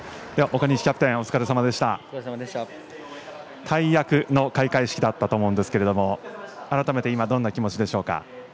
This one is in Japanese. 大役の開会式だったと思いますが改めて今どんなお気持ちでしょうか？